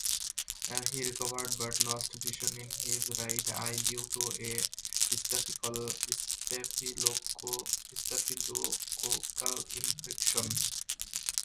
He recovered but lost vision in his right eye due to a staphylococcal infection.